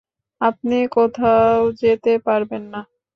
আপনি কোত্থাও যেতে পারবেন না।